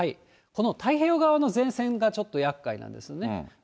この太平洋側の前線がちょっと厄介なんですね。